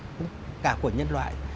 cũng cả của nhân loại